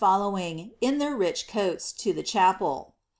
Tollowing. ia their rich coals, to the chapel.